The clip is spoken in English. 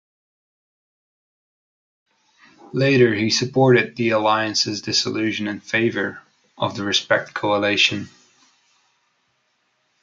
Later, he supported the Alliance's dissolution in favour of the Respect Coalition.